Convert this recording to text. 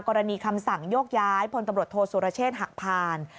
กรณีคำสั่งโยกย้ายพลตำรวจโทษสุรเชษฐ์หักผ่าน